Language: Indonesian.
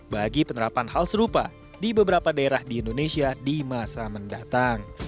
bagi penerapan hal serupa di beberapa daerah di indonesia di masa mendatang